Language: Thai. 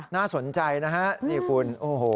น่าสนใจนะฮะนี่คุณโอ้โห